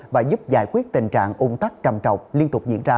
và giúp giải quyết tình trạng ung tắc trầm trọng liên tục diễn ra